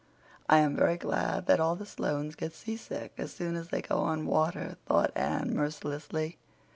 "I am very glad that all the Sloanes get seasick as soon as they go on water," thought Anne mercilessly.